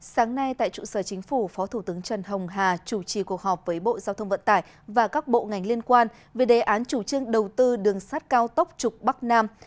sáng nay tại trụ sở chính phủ phó thủ tướng trần hồng hà chủ trì cuộc họp với bộ giao thông vận tải và các bộ ngành liên quan về đề án chủ trương đầu tư đường sắt cao tốc trục bắc nam